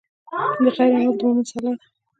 د خیر عمل د مؤمن سلاح ده.